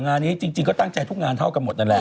งานนี้จริงก็ตั้งใจทุกงานเท่ากันหมดนั่นแหละ